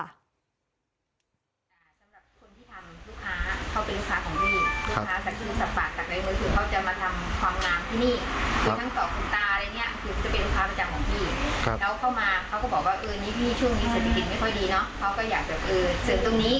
พี่ช่วงนี้สภิกษณ์ไม่ค่อยดีเนอะเขาก็อยากแบบเออเสริมตรงนี้